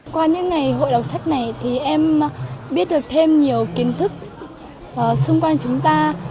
qua những ngày hội đọc sách này thì em biết được thêm nhiều kiến thức xung quanh chúng ta